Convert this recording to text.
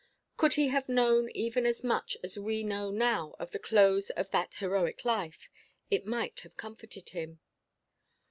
Could he have known even as much as we know now of the close of that heroic life, it might have comforted him.